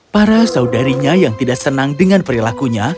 para saudarinya yang tidak senang dengan perilakunya